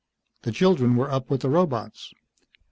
The children were up with the robots.